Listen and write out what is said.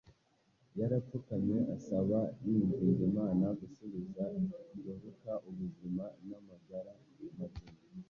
Yarapfukamye asaba yinginga Imana gusubiza Doruka ubuzima n’amagara mazima.